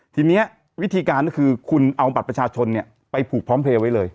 ทีนี้วิธีการก็คือคุณเอาบัตรประชาชนไปผูกพร้อมเพลย์ไว้เลย